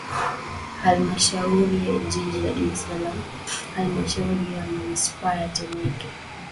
Halmashauri ya Jiji la Dar es Salaam Halmashauri ya Manispaa ya Temeke